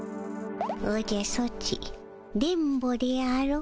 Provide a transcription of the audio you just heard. おじゃソチ電ボであろ？